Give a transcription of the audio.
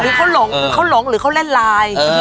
เดี๋ยวลองคือเขาหลงหรือเขาแล่นลาย